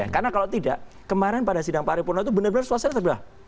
karena kalau tidak kemarin pada sidang paripurna itu benar benar suasana terbelah